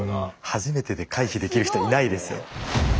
初めてで回避できる人いないですよ。